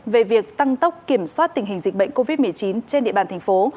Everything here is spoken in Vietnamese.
về việc tăng tốc kiểm soát tình hình dịch bệnh covid một mươi chín trên địa bàn thành phố